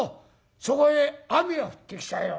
そこへ雨が降ってきたよ。